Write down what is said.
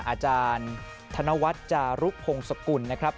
อาจารย์ธนวัฒน์จารุพงศกุลนะครับ